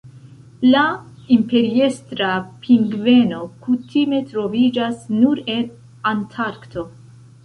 La Imperiestra pingveno kutime troviĝas nur en Antarkto.